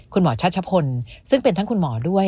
คุณหมอชัชพลซึ่งเป็นทั้งคุณหมอด้วย